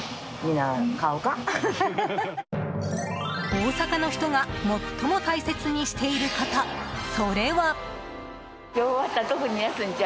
大阪の人が最も大切にしていることそれは。